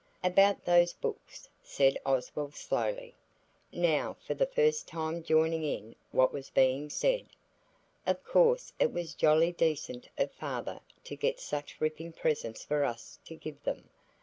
"About those books," said Oswald slowly, now for the first time joining in what was being said; "of course it was jolly decent of Father to get such ripping presents for us to give them.